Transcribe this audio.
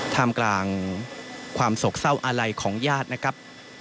ท่ามกลางความโศกเศร้าอาลัยของญาตินะครับ